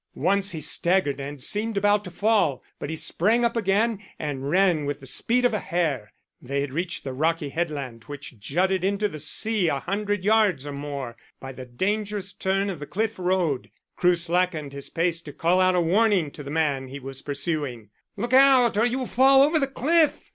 Once he staggered and seemed about to fall, but he sprang up again and ran with the speed of a hare. They had reached the rocky headland which jutted into the sea a hundred yards or more by the dangerous turn of the cliff road. Crewe slackened his pace to call out a warning to the man he was pursuing. "Look out or you will fall over the cliff!"